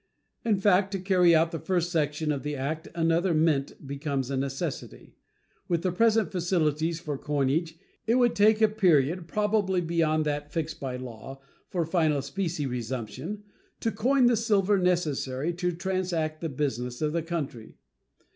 In fact, to carry out the first section of the act another mint becomes a necessity. With the present facilities for coinage, it would take a period probably beyond that fixed by law for final specie resumption to coin the silver necessary to transact the business of the country.